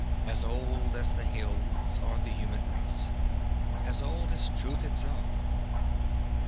As old as the hills or the human race,—as old as truth itself.